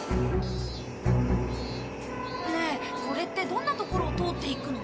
ねえこれってどんなところを通っていくの？